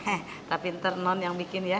heh tapi ntar non yang bikin ya